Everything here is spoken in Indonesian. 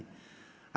ada beberapa kata kata